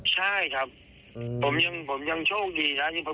ใช่ครับอืมผมยังผมยังโชคดีนะ